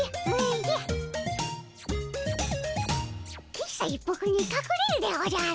喫茶一服にかくれるでおじゃる。